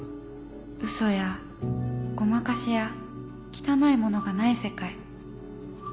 うそやごまかしや汚いものがない世界。